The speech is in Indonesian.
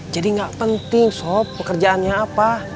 jadi gak penting sob pekerjaannya apa